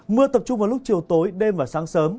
mưa tập trung vào lúc chiều tối đêm và sáng sớm